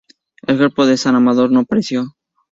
El cuerpo de San Amador no apareció.